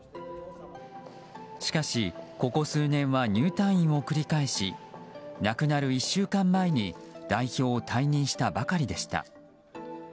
しかし、ここ数年は入退院を繰り返し亡くなる１週間前に代表を退任したばかりでした。